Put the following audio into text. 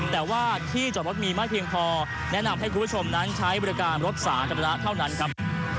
แต่ว่าที่จอดรถมีมากเพียงพอแนะนำให้คุณผู้ชมนั้นใช้บริการรถสาธารณะเท่านั้นครับ